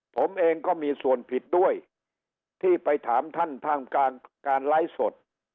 ผมเองก็มีส่วนผิดด้วยที่ไปถามท่านท่ามกลางการไลฟ์สด